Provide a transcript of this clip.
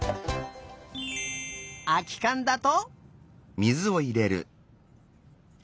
あきかんだと。